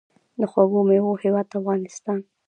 د خوږو میوو هیواد افغانستان.